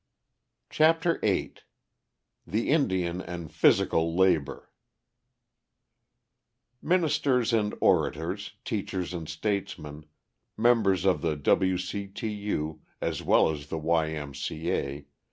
CHAPTER VIII THE INDIAN AND PHYSICAL LABOR Ministers and orators, teachers and statesmen, members of the W. C. T. U., as well as the Y. M. C. A.